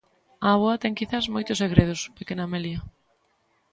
A avoa ten quizais moitos segredos, pequena Amelia.